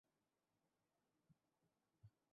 আর code ভাঙতে আমাদের কিছুটা সময় লাগবে।